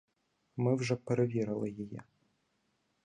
Ми вже перевірили її.